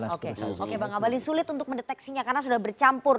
oke oke bang abalin sulit untuk mendeteksinya karena sudah bercampur